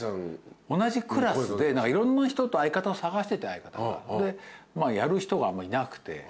同じクラスでいろんな人と相方を探してて相方がでやる人がいなくて。